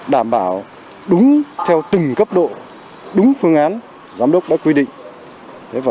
đảm bảo đúng theo từng cấp độ đúng phương án giám đốc đã quy định